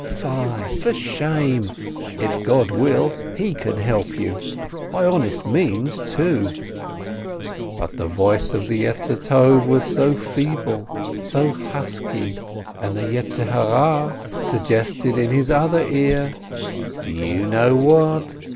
Fie, for shame ! If God will, he can help you by honest means too." But the voice of the Good Inclination was so feeble, so husky, and the Evil Inclination suggested in his other ear: "Do you know what?